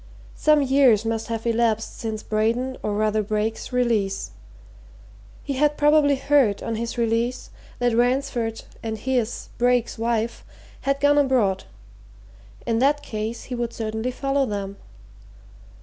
Some years must have elapsed since Braden, or rather Brake's release. He had probably heard, on his release, that Ransford and his, Brake's, wife had gone abroad in that case he would certainly follow them.